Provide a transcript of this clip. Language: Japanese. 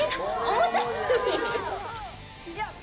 重たい！